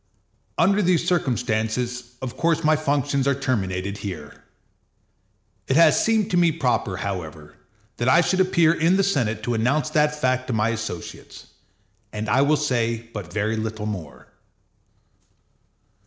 Under these circumstances, of course my functions are terminated here. It has seemed to me proper, however, that I should appear in the Senate to announce that fact to my associates, and I will say but very little more.